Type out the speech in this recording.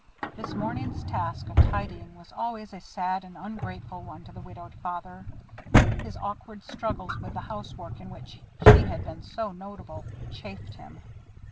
This morning task of tidying was always a sad and ungrateful one to the widowed father. His awkward struggles with the house work in which she had been so notable, chafed him.